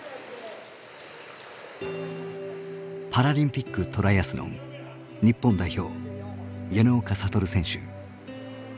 パラリンピックトライアスロン日本代表